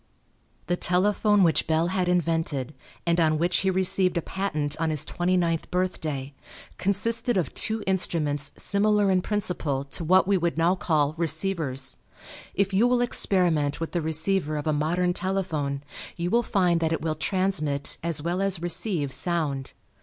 The telephone which Bell had invented, and on which he received a patent on his twenty ninth birthday, consisted of two instruments similar in principle to what we would now call receivers. If you will experiment with the receiver of a modern telephone you will find that it will transmit as well as receive sound.